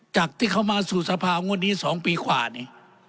จากที่เขามาสู่สภางวดนี้๒ปีกว่านี่